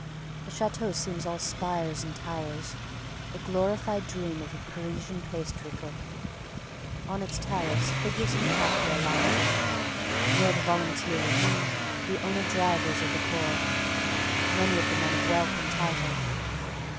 The Chateau seems all spires and towers, the glorified dream of a Parisian pastrycook. On its terrace figures in khaki are lounging. They are the volunteers, the owner drivers of the Corps, many of them men of wealth and title.